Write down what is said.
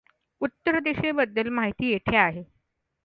उत्तर दिशेबद्दल माहिती येथे आहे.